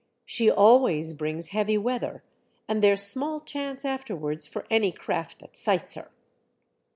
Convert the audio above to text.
She always brings heavy weather, and there's small chance afterwards for any craft that sights her."